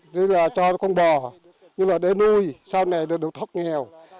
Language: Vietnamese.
như là cho con bò như là để nuôi sau này được thóc nghèo